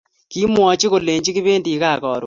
kimwachi kole kipendi kaa karun